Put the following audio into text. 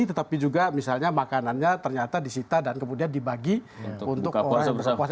tetapi juga misalnya makanannya ternyata disita dan kemudian dibagi untuk orang yang berpuasa